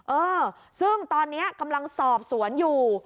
เออซึ่งตอนนี้กำลังสอบสวนอยู่